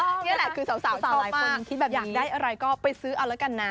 นี่แหละคือสาวชอบมากสาวหลายคนที่แบบนี้อยากได้อะไรก็ไปซื้อเอาละกันนะ